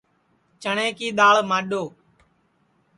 چٹؔیں کی دؔاݪ مانٚڈؔو